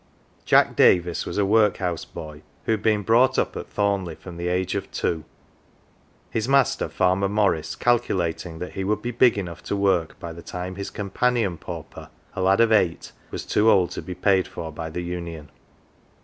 Jack Davis was a workhouse boy who had been brought up at Thornleigh from the age of two, his master, Farmer Moms, calculating that he would be big enough to work by the time his companion pauper, a lad of eight, was too old to be paid for by the Union.